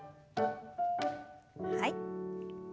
はい。